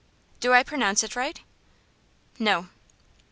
"Do I pronounce it right?" "No."